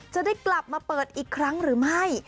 จะได้กลับมาเปิดอีกครั้งหรือไม่